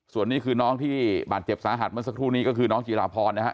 ส่วนนี้คือน้องที่บาดเจ็บสาหัสเมื่อสักครู่นี้ก็คือน้องจีราพรนะฮะ